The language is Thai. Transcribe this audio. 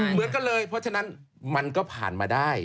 เหมือนกันเลยเพราะฉะนั้นมันก็ผ่านมาได้